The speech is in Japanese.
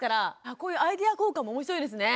こういうアイデア交換も面白いですね。